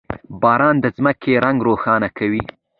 • باران د ځمکې رنګ روښانه کوي.